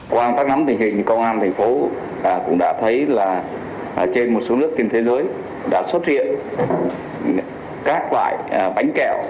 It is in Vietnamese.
cũng đã thấy là ở trên một số nước trên thế giới đã xuất hiện các loại bánh kẹo